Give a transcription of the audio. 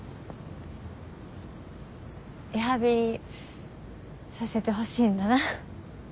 リハビリさせてほしいんだな。